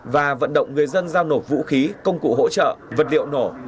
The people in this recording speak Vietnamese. và vận động người dân giao nộp vũ khí công cụ hỗ trợ vật liệu nổ